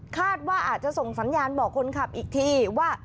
คาดว่าอาจจะส่งสัญญาณบอกคนขับอีกทีว่า